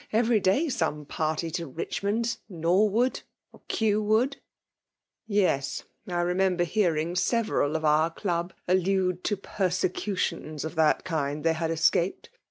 Every day some party to Richmond, Norwood, Kew Wood/' " Yes ! I remember hearing several of our club allude to persecutions of that kind they had escaped.